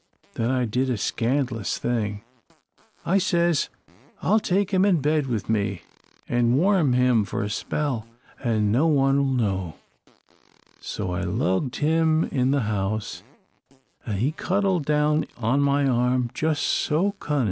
Then I did a scand'lous thing. I says, 'I'll take him in bed with me an' warm him for a spell, an' no one'll know;' so I lugged him in the house, an' he cuddled down on my arm just so cunnin'.